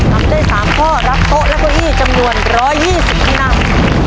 ทำได้๓ข้อรับโต๊ะและเก้าอี้จำนวน๑๒๐ที่นั่ง